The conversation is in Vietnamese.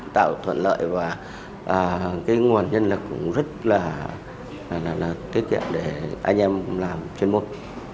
tạo thuận lợi và cái nguồn nhân lực cũng rất là tiết kiệm để anh em làm trên một